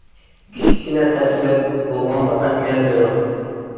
كىچىككىنە تەكلىپ : بوغۇمغا ئەھمىيەت بېرىڭ.